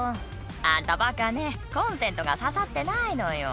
「あんたバカねコンセントがささってないのよ」